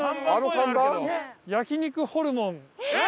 「焼肉ホルモン」えっ！